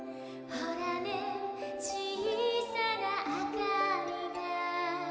「ほらねちいさなあかりが」